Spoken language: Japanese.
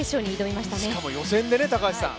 しかも予選でね、高橋さん。